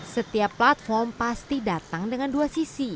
setiap platform pasti datang dengan dua sisi